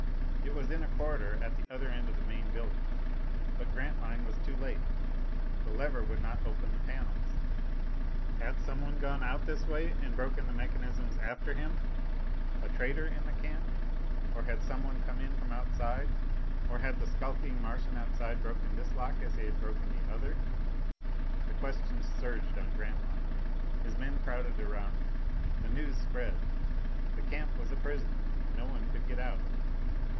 It was in a corridor at the other end of the main building. But Grantline was too late! The lever would not open the panels! Had someone gone out this way and broken the mechanisms after him? A traitor in the camp? Or had someone come in from outside? Or had the skulking Martian outside broken this lock as he had broken the other? The questions surged on Grantline. His men crowded around him. The news spread. The camp was a prison! No one could get out!